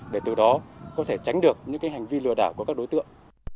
để từ đó có thể tránh được những hành vi lừa đảo của các đối tượng